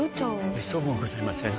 めっそうもございません。